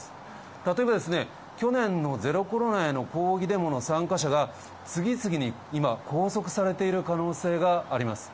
例えばですね、去年のゼロコロナへの抗議デモの参加者が、次々に今、拘束されている可能性があります。